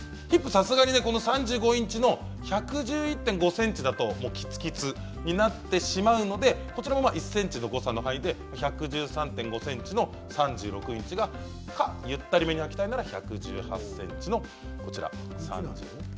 さすがに３５インチの１１１．５ｃｍだときつきつになってしまうのでこちらも１ｃｍの誤差の範囲で１１３．５ｃｍの３６インチがゆったりめにはきたいなら１１８ｃｍの３８インチ。